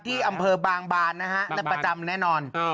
ที่อำเภอบางบานนะฮะบางบานในประจำแน่นอนเออ